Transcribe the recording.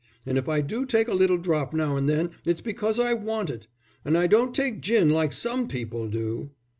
And if I do take a little drop now and then it's because I want it. And I don't take gin like some people do."